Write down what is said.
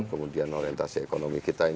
kemudian orientasi ekonomi kita